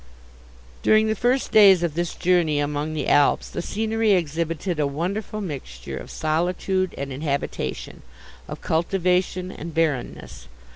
During the first days of this journey among the Alps, the scenery exhibited a wonderful mixture of solitude and inhabitation, of cultivation and barrenness.